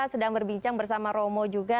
sedang berbincang bersama romo juga